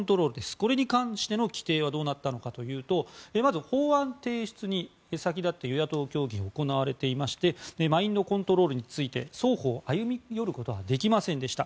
これに関しての規定はどうなったのかというとまず法案提出に先立って与野党協議が行われていましてマインドコントロールについて双方、歩み寄ることはできませんでした。